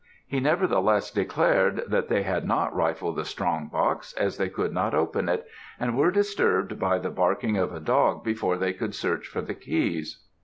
He nevertheless declared that they had not rifled the strong box, as they could not open it, and were disturbed by the barking of a dog before they could search for the keys.